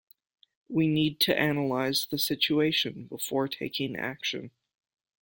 We need to analyse the situation before taking action.